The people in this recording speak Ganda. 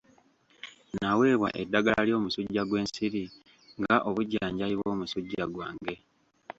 Naweebwa eddagala ly'omusujjja gw'ensiri nga obujjanjabi bw'omusujja gwange.